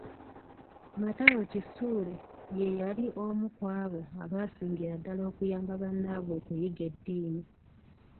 Matayo Kisule ye yali omu ku abo abaasingira ddala okuyamba bannaabwe okuyiga eddiini.